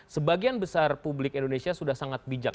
sebagian besar publik indonesia sudah sangat bijak